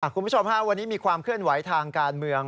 คุณผู้ชมฮะวันนี้มีความเคลื่อนไหวทางการเมือง